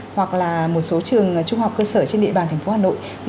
hoặc là một số trường trung học cơ sở trên địa bàn thành phố hà nội